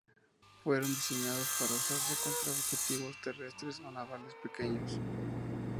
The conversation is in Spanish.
Fueron diseñados para usarse contra objetivos terrestres o navales pequeños.